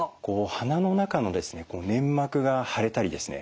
鼻の中の粘膜が腫れたりですね